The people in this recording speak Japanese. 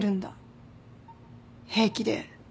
平気で。